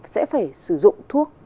sẽ phải sử dụng thuốc